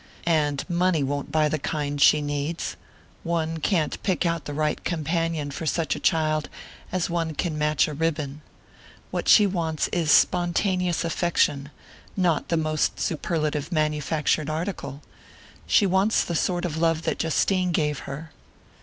And money won't buy the kind she needs: one can't pick out the right companion for such a child as one can match a ribbon. What she wants is spontaneous affection, not the most superlative manufactured article. She wants the sort of love that Justine gave her."